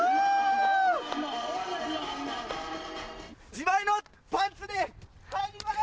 ・自前のパンツで入ります！